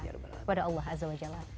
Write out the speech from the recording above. kepada allah azawajallah